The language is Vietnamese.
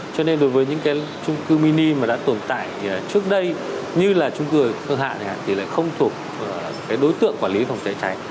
cho nên đối với những cái chung cư mini mà đã tồn tại trước đây như là chung cư hương hạ thì lại không thuộc đối tượng quản lý phòng cháy cháy